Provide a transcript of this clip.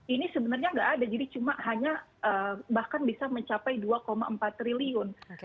ini sebenarnya nggak ada jadi cuma hanya bahkan bisa mencapai dua empat triliun